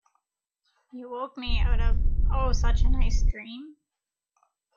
You woke me out of, oh such a nice dream!